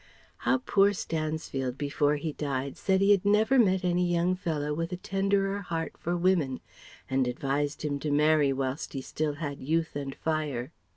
How poor Stansfield, before he died, said he had never met any young fellow with a tenderer heart for women, and advised him to marry whilst he still had youth and fire.